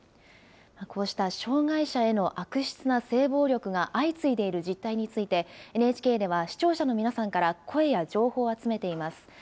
こうした障害者への悪質な性暴力が相次いでいる実態について、ＮＨＫでは、視聴者の皆さんから声や情報を集めています。